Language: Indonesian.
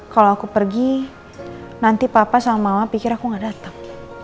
kalau aku pergi nanti papa sama mama pikir aku gak datang